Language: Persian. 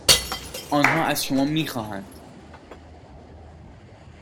آنها از شما میخواهند